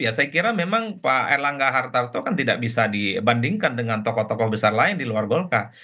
ya saya kira memang pak erlangga hartarto kan tidak bisa dibandingkan dengan tokoh tokoh besar lain di luar golkar